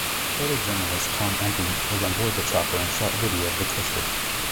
Photojournalist Tom Empey was on board the chopper and shot video of the twister.